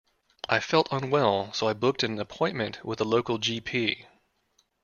I felt unwell so I booked an appointment with the local G P.